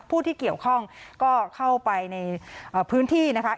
ผู้ที่เกี่ยวข้องก็เข้าไปในพื้นที่นะคะ